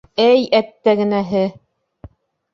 Эй, әттәгенәһе...